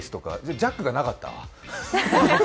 ジャックがなかったわ。